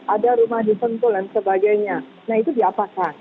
ada rumah di sentul dan sebagainya nah itu diapakan